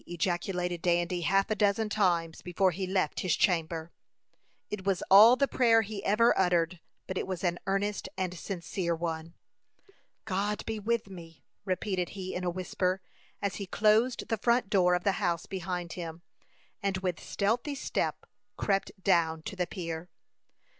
ejaculated Dandy, half a dozen times before he left his chamber. It was all the prayer he ever uttered, but it was an earnest and sincere one. "God be with me," repeated he, in a whisper, as he closed the front door of the house behind him, and with stealthy step crept down to the pier.